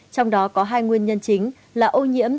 trong đó có hai nguyên nhân chính là ô nhiễm